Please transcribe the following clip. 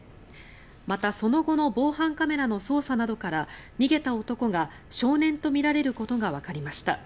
また、その後の防犯カメラの捜査などから逃げた男が少年とみられることがわかりました。